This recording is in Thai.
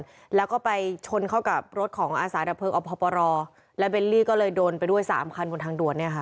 จ้าน่ายไปชนกับรถของอภอพแล้วก็เบนลี่จะโดนไปสามคันบนทางด่วน